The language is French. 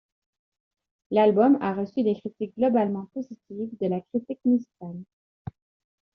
L'album a reçu des critiques globalement positives de la critique musicale.